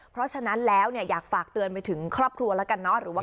เพราะฉะนั้นแล้วเนี่ยอยากฝากเตือนไปถึงครอบครัวแล้วกันเนาะ